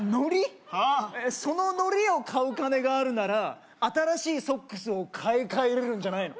ああその糊を買う金があるなら新しいソックスを買い替えれるんじゃないの？